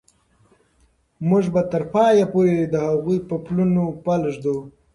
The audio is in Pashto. موږ به تر پایه پورې د هغوی په پلونو پل ږدو.